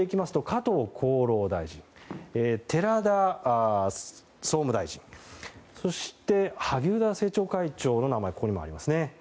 加藤厚労大臣寺田総務大臣そして萩生田政調会長の名前はここにもありますね。